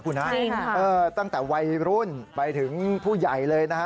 กูนะจริงค่ะเอ่อตั้งแต่วัยรุ่นไปถึงผู้ใหญ่เลยนะฮะ